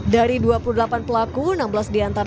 dari dua puluh delapan pelaku enam belas diantaranya